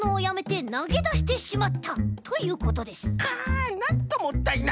あなんともったいない！